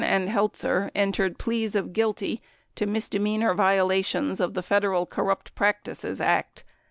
and Heltzer entered pleas of guilty to misdemeanor violations of the Federal Corrupt Practices Act.